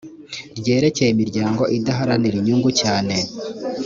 ryerekeye imiryango idaharanira inyungu cyane